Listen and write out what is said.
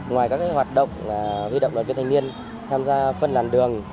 ngoài các hoạt động huy động đoàn viên thanh niên tham gia phân làn đường